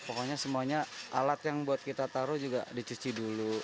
pokoknya semuanya alat yang buat kita taruh juga dicuci dulu